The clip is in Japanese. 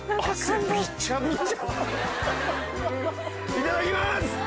いただきます！